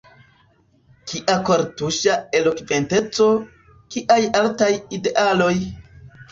Kia kortuŝa elokventeco; kiaj altaj idealoj!